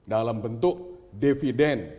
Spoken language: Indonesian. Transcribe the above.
dalam bentuk dividen